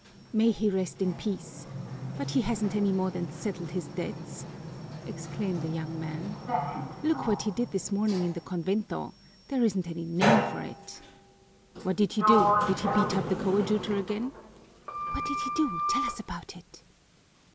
"May he rest in peace! But he hasn't any more than settled his debts!" exclaimed a young man. "Look what he did this morning in the convento there isn't any name for it." "What did he do? Did he beat up the coadjutor again?" "What did he do? Tell us about it!"